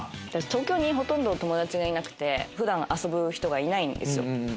私東京にほとんど友達がいなくて普段遊ぶ人がいないんですよ。